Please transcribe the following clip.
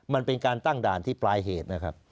มันเป็นการตั้งด่านที่ปลายเหตุนะครับ